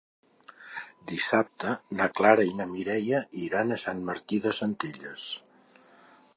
Dissabte na Clara i na Mireia iran a Sant Martí de Centelles.